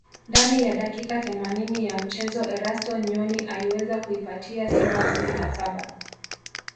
ndani ya dakika themanini ya mchezo Erasto Nyoni aliweza kuipatia Simba goli la saba